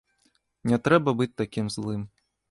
Не трэба быць такім злым.